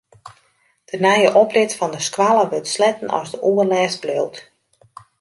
De nije oprit fan de skoalle wurdt sletten as de oerlêst bliuwt.